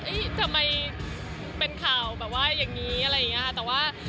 เฮ้ยทำไมเป็นข่าวแบบว่าอย่างนี้อะไรอย่างนี้ค่ะ